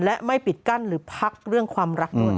และไม่ปิดกั้นหรือพักเรื่องความรักด้วย